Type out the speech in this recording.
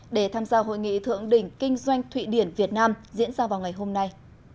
để tham gia hội nghị thượng đỉnh kinh doanh thụy điển việt nam diễn ra vào ngày hôm nay